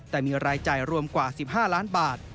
แต่มีรายจ่ายรวมกว่า๑๕ล้านบาท